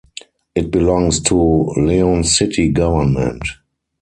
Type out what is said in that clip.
It belongs to León city government.